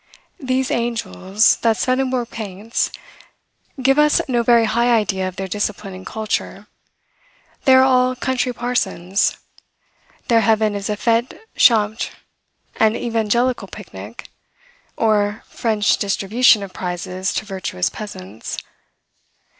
These angels that Swedenborg paints give us no very high idea of their discipline and culture; they are all country parsons; their heaven is a fete champetre, and evangelical picnic, or French distribution of prizes to virtuous peasants.